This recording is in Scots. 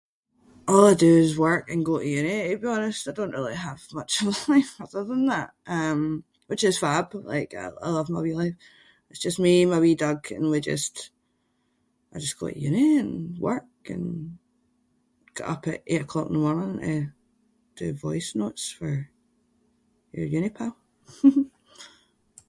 All I do is work and go to uni to be honest. I don’t really have much in life other than that um which is fab, like I love my wee life. It’s just me and my wee dog and we just- I just go to uni and work and get up at eight o’ clock in the morning to do voice notes for your uni pal.